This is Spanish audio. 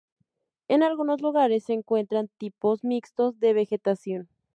En algunos lugares se encuentran tipos mixtos de vegetación.